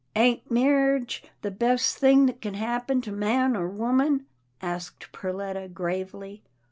" Ain't merriage the best thing that kin happen to man or woman? " asked Perletta gravely.